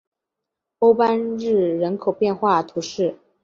欧班日人口变化图示